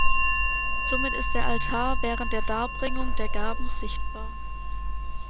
Somit ist der Altar während der Darbringung der Gaben sichtbar.